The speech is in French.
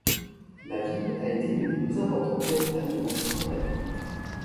La ville a été une des plus importantes villes de l'antique Campanie.